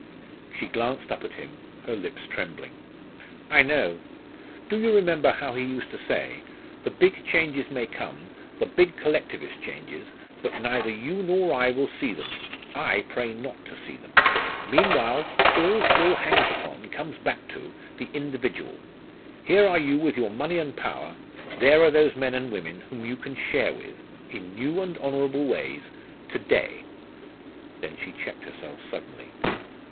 She glanced up at him, her lips trembling. "I know. Do you remember how he used to say 'the big changes may come the big Collectivist changes. But neither you nor I will see them. I pray not to see them. Meanwhile all still hangs upon, comes back to, the individual, Here are you with your money and power; there are those men and women whom you can share with in new and honourable ways to day.'" Then she checked herself suddenly.